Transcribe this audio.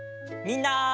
みんな！